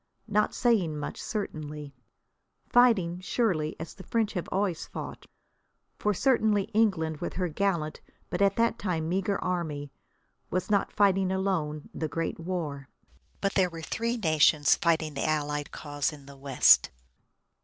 Not saying much, certainly. Fighting, surely, as the French have always fought. For certainly England, with her gallant but at that time meagre army, was not fighting alone the great war. But there were three nations fighting the allied cause in the west.